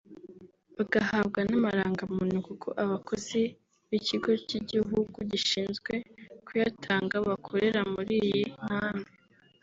bagahabwa n’amarangamuntu kuko abakozi b’ ikigo cy’igihugu gishinzwe kuyatanga bakorera muri iyi nkambi